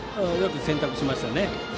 よく選択しましたね。